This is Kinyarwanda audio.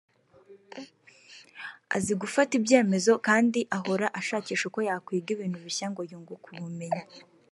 azi gufata ibyemezo kandi ahora ashakisha uko yakwiga ibintu bishya ngo yunguke ubumenyi